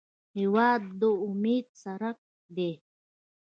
هېواد د امید څرک دی.